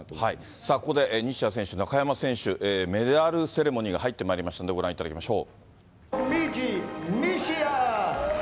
さあここで、西矢選手、中山選手、メダルセレモニーが入ってまいりましたので、ご覧いただきましょう。